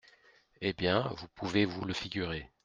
Eh bien, vous pouvez vous le figurer.